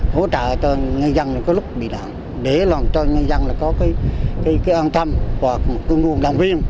hỗ trợ cho ngư dân có lúc bị đạn để làm cho ngư dân có an tâm và cung nguồn đồng viên